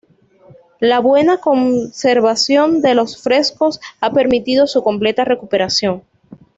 La buena conservación de los frescos ha permitido su completa recuperación.